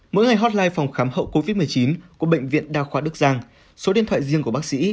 mỗi ngày hotline phòng khám hậu covid một mươi chín của bệnh viện đa khoa đức giang số điện thoại riêng của bác sĩ